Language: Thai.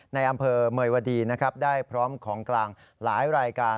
ในอำเภอเมยวดีนะครับได้พร้อมของกลางหลายรายการ